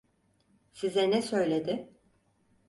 Size ne söyledi?